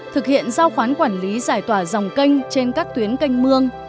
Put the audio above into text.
thực hiện giao khoán quản lý giải tỏa dòng canh trên các tuyến canh mương